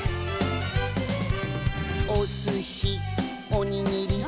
「お寿司おにぎり」「」